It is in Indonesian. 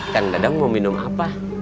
kang dadang mau minum apa